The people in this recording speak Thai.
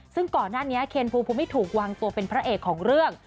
ซึ่งก่อนหน้านี้เคนภูมิภูมิถูกวางตัวเป็นพระเอกของเรื่อง